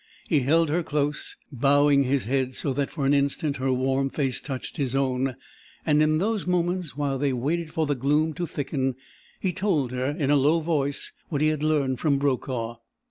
He held her close, bowing his head so that for an instant her warm face touched his own; and in those moments while they waited for the gloom to thicken he told her in a low voice what he had learned from Brokaw.